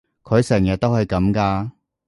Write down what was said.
佢成日都係噉㗎？